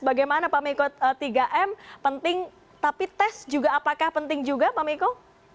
bagaimana pak miko tiga m penting tapi tes juga apakah penting juga pak miko